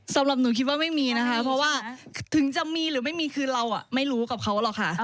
สำหรับหนูคิดว่าไม่มีนะคะเพราะว่าถึงจะมีหรือไม่มีคือเราไม่รู้กับเขาหรอกค่ะ